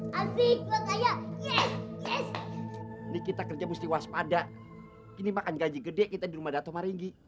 hai abis berkaya yes kita kerja musti waspada ini makan gaji gede kita di rumah datuh maringgi